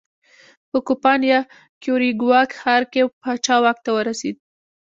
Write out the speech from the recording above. په کوپان په کیوریګوا ښار کې پاچا واک ته ورسېد.